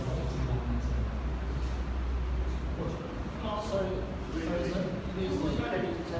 คุณคิดว่าเกินเท่าไหร่หรือไม่เกินเท่าไหร่